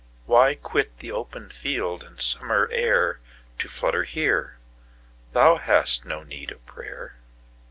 Why quit the open field and summer airTo flutter here? Thou hast no need of prayer.